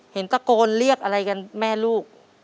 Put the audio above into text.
เห็นตะโกนเรียกอะไรกันแม่ลูก